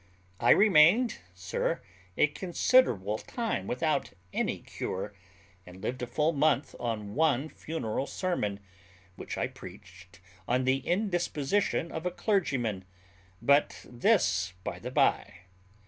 I remained, sir, a considerable time without any cure, and lived a full month on one funeral sermon, which I preached on the indisposition of a clergyman; but this by the bye.